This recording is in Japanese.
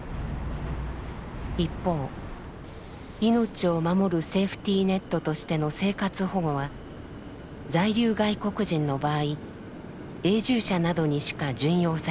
一方命を守るセーフティーネットとしての生活保護は在留外国人の場合永住者などにしか準用されません。